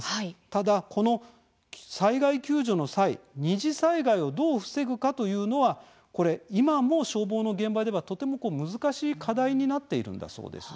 ただ、この災害救助の際二次災害をどう防ぐかというのは今も消防の現場ではとても難しい課題になっているんだそうです。